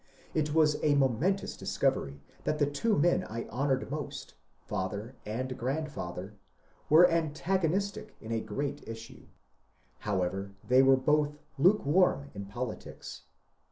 It was a momentous discovery that the two men I honoured most — father and grandfather — were antagonistic in a great issue. However, they were both lukewarm in politics.